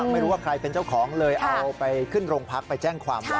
ไม่รู้ว่าใครเป็นเจ้าของเลยเอาไปขึ้นโรงพักไปแจ้งความไว้